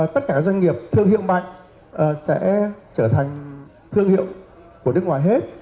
tất cả các doanh nghiệp thương hiệu mạnh sẽ trở thành thương hiệu của nước ngoài hết